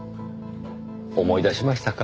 思い出しましたか？